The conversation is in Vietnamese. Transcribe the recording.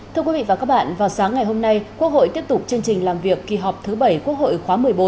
thưa quý vị và các bạn vào sáng ngày hôm nay quốc hội tiếp tục chương trình làm việc kỳ họp thứ bảy quốc hội khóa một mươi bốn